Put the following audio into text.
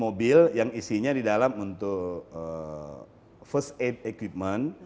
mobil yang isinya di dalam untuk first aid equipment